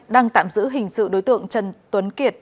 đang tạm giữ hình sự đối tượng trần tuấn kiệt